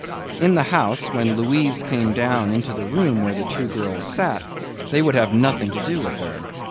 In the house when Louise came down into the room where the two girls sat, they would have nothing to do with her.